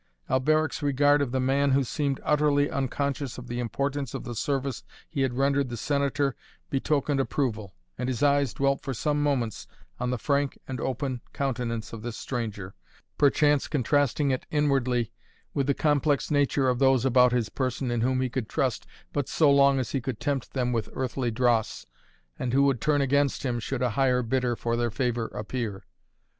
Alberic's regard of the man who seemed utterly unconscious of the importance of the service he had rendered the Senator betokened approval, and his eyes dwelt for some moments on the frank and open countenance of this stranger, perchance contrasting it inwardly with the complex nature of those about his person in whom he could trust but so long as he could tempt them with earthly dross, and who would turn against him should a higher bidder for their favor appear.